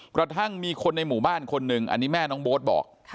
กระทั่งมีคนในหมู่บ้านคนหนึ่งอันนี้แม่น้องโบ๊ทบอก